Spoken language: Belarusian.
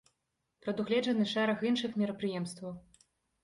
Прадугледжаны шэраг іншых мерапрыемстваў.